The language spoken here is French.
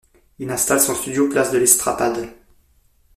Il installe son studio place de l'Estrapade.